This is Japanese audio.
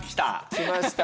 きましたね。